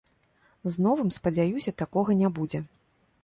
З новым, спадзяюся, такога не будзе.